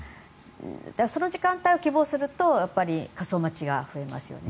その時間帯を希望すると火葬待ちが増えますよね。